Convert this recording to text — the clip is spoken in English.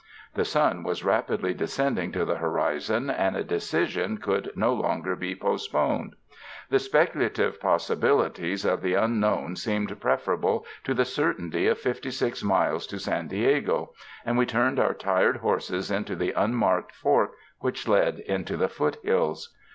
The sun was rapidly descending to the horizon, and a decision could no longer be post poned. The speculative possibilities of the un known seemed preferable to the certainty of fifty six miles to San Diego, and we turned our tired horse into the unmarked fork which led into the foothills.